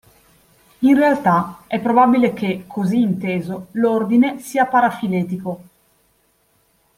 In realtà è probabile che, così inteso, l'ordine sia parafiletico.